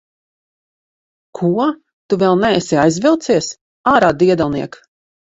Ko? Tu vēl neesi aizvilcies? Ārā, diedelniek!